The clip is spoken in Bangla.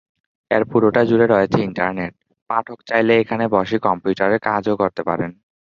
এর পুরোটা জুড়ে রয়েছে ইন্টারনেট, পাঠক চাইলে এখানে বসেই কম্পিউটারে কাজও করতে পারেন।